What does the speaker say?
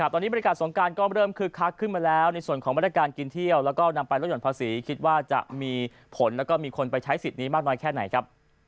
ตอนนี้บริการสงการก็เริ่มคึกคักขึ้นมาแล้วในส่วนของมาตรการกินเที่ยวแล้วก็นำไปลดห่อนภาษีคิดว่าจะมีผลแล้วก็มีคนไปใช้สิทธิ์นี้มากน้อยแค่ไหนครับ